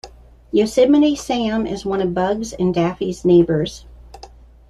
Yosemite Sam is one of Bugs and Daffy's neighbors.